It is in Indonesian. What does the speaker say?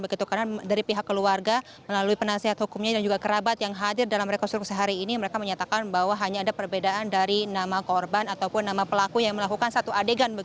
karena dari pihak keluarga melalui penasihat hukumnya dan juga kerabat yang hadir dalam rekonstruksi hari ini mereka menyatakan bahwa hanya ada perbedaan dari nama korban ataupun nama pelaku yang melakukan satu adegan